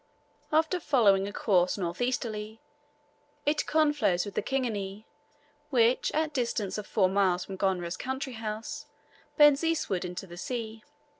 After following a course north easterly, it conflows with the Kingani, which, at distance of four miles from Gonera's country house; bends eastward into the sea.